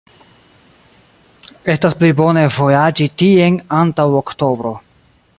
Estas pli bone vojaĝi tien antaŭ oktobro.